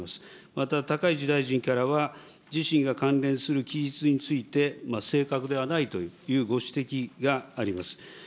また、高市大臣からは、自身が関連する記述について正確ではないというご指摘があります。